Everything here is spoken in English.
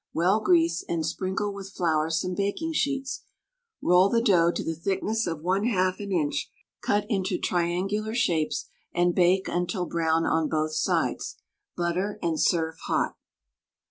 Well grease and sprinkle with flour some baking sheets, roll the dough to the thickness of 1/2 an inch, cut into triangular shapes, and bake until brown on both sides. Butter and serve hot.